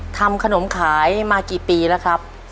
ทำขนมขายมากี่ปีแล้วครับ